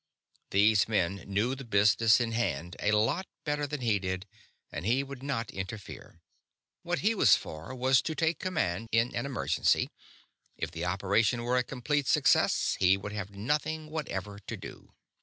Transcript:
These men knew the business in hand a lot better than he did, and he would not interfere. What he was for was to take command in an emergency; if the operation were a complete success he would have nothing whatever to do!